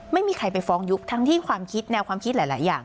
ไม่มีใครไปฟ้องยุคทั้งที่ความคิดแนวความคิดหลายอย่าง